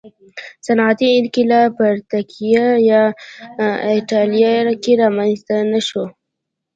صنعتي انقلاب په ترکیه یا اېټالیا کې رامنځته نه شو